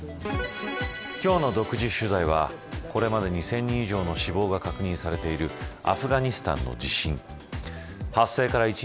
今日の独自取材はこれまでに１０００人以上の死亡が確認されているアフガニスタンの地震。